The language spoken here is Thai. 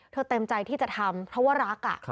เต็มใจที่จะทำเพราะว่ารัก